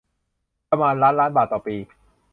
ประมาณล้านล้านบาทต่อปี